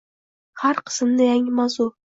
Har qismda yangi mavzu.